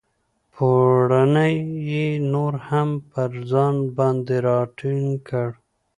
پوړنی یې نور هم پر ځان باندې را ټینګ کړ.